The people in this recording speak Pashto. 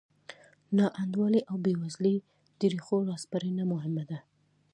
ناانډولۍ او بېوزلۍ د ریښو راسپړنه مهمه ده.